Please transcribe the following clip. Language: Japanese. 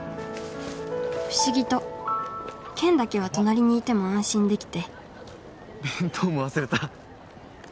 不思議と健だけは隣にいても安心できて弁当も忘れた